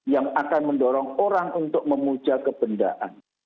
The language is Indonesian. yang akan mendorong orang untuk memuja kebendaan